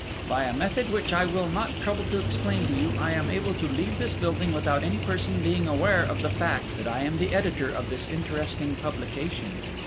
By a method which I will not trouble to explain to you I am able to leave this building without any person being aware of the fact that I am the editor of this interesting publication.